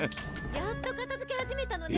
・やっと片づけ始めたのね。